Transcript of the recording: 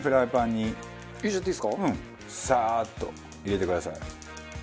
サーッと入れてください。